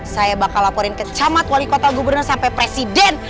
saya bakal laporin ke camat wali kota gubernur sampai presiden